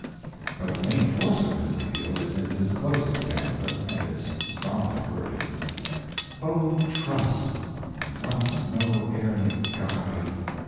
But the main force of his appeal is in his closing stanza, and is strongly worded: "O trust for once no erring guide!